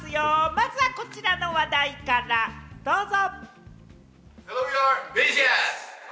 まずはこちらの話題から、どうぞ！